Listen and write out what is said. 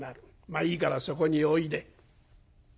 まあいいからそこにおいで」。